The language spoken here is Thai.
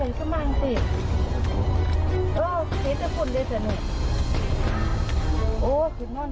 โอ้โฮเฉยคนเดี๋ยวจะหนึ่ง